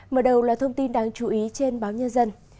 mở đầu là thông tin đáng chú ý trên báo nhân dân